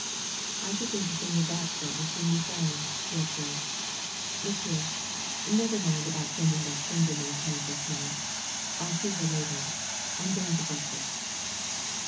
"I should think a thing of that sort will soon be found," he observed. "Look here never mind about sending that chambermaid to me just now; I'll see her later. I'm going to breakfast."